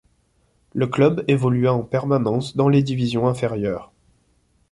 Le club évolua en permanence dans les divisions inférieures.